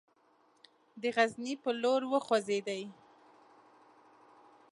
د غزني پر لور وخوځېدی.